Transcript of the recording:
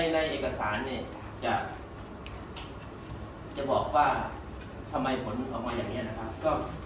ได้เอกสารจะบอกว่าทำไมผลออกมาอย่างเนี้ยนะครับ